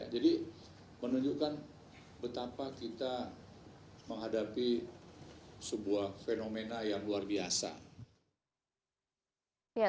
jadi menunjukkan betapa kita menghadapi sebuah fenomena yang luar biasa